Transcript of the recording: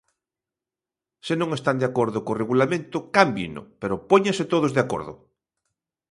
Se non están de acordo co Regulamento, cámbieno, pero póñanse todos de acordo.